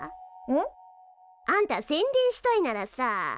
ん？あんた宣伝したいならさあ